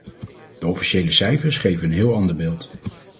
De officiële cijfers geven een heel ander beeld.